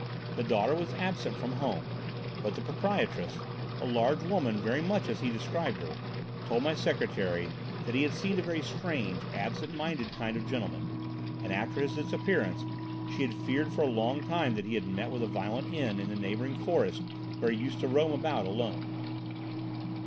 The daughter was absent from home, but the proprietress, a large woman very much as he described her, told my secretary that he had seemed a very strange, absent minded kind of gentleman, and after his disappearance she had feared for a long time that he had met with a violent end in the neighbouring forest where he used to roam about alone.